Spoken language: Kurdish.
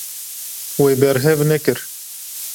Wê berhev nekir.